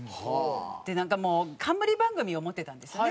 でなんかもう冠番組を持ってたんですね。